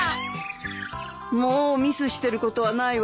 もうミスしてることはないわよね。